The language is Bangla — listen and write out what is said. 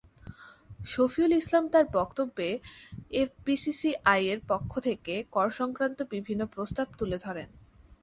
শফিউল ইসলাম তাঁর বক্তব্যে এফবিসিসিআইয়ের পক্ষ থেকে করসংক্রান্ত বিভিন্ন প্রস্তাব তুলে ধরেন।